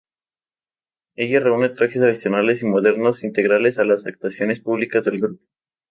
Ella reúne trajes tradicionales y modernos integrales a las actuaciones públicas del grupo.